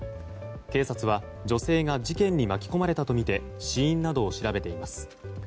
警察は、女性が事件に巻き込まれたとみて死因などを調べています。